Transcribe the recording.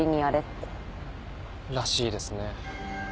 らしいですね。